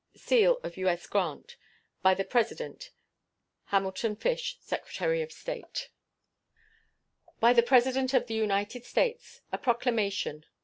[SEAL.] U.S. GRANT. By the President: HAMILTON FISH, Secretary of State. BY THE PRESIDENT OF THE UNITED STATES OF AMERICA. A PROCLAMATION.